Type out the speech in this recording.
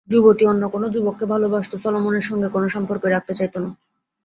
যুবতী অন্য কোন যুবককে ভালবাসত, সলোমনের সঙ্গে কোন সম্পর্কই রাখতে চাইত না।